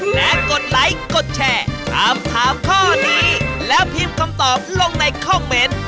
และกดไลค์กดแชร์ถามถามข้อนี้แล้วพิมพ์คำตอบลงในคอมเมนต์